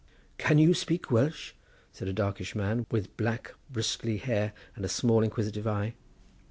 "Can you speak Welsh?" said a darkish man with black bristly hair and a small inquisitive eye.